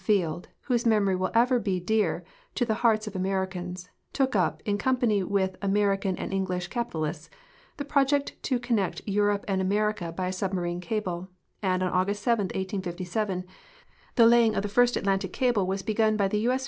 Field, whose memory will ever be dear to the liearts of Americans, took up, in compan}'' with American and English capitalists, the project to connect Europe and America b}' a submarine cable, and on August 7, 1857, the lay ing of the first Atlantic cable was begun by the U. S.